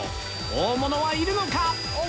大物はいるのか？